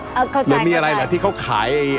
เข้าใจค่ะค่ะ